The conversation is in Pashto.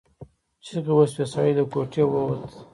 چیغې وشوې سړی له کوټې ووت.